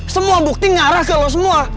semua bukti ngarah ke lu semua